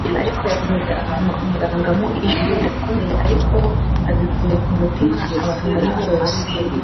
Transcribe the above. Ariko yavunitse avuma umuganga, mu ijwi ridakomeye ariko abikuye ku mutima. “Abaganga ni bose